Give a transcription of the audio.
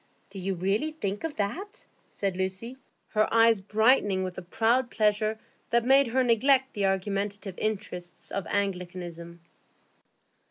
"Do you really think of that?" said Lucy, her eyes brightening with a proud pleasure that made her neglect the argumentative interests of Anglicanism.